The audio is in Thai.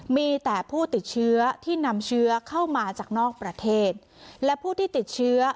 มีแต่ผู้ติดเชื้อที่นำเชื้อเข้ามาจากนอกประเทศและผู้ที่ติดเชื้อ